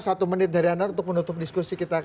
satu menit dari anda untuk menutup diskusi kita